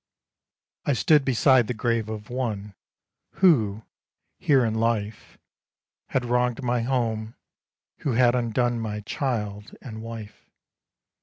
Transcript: I stood beside the grave of one, Who, here in life, Had wronged my home; who had undone My child and wife.